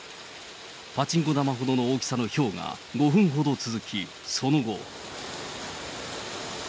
パチンコ玉ほどの大きさのひょうが５分ほど続き、その後。